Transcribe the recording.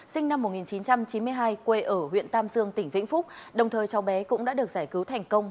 sinh năm một nghìn chín trăm chín mươi hai quê ở huyện tam dương tỉnh vĩnh phúc đồng thời cháu bé cũng đã được giải cứu thành công